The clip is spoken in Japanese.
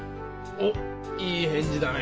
おっいい返事だね。